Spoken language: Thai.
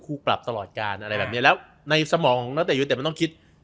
คู่ปรับตลอดการณ์อะไรแบบเนี้ยแล้วในสมองของตัวเองในตัวต้องคิด